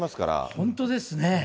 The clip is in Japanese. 本当ですね。